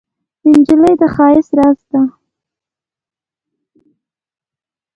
نجلۍ د ښایست راز ده.